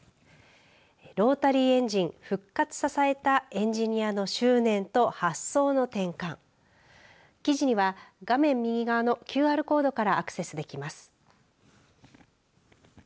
ロータリーエンジン復活支えたエンジニアの執念と発想の転換記事には画面右側のＱＲコードからアクセスできます。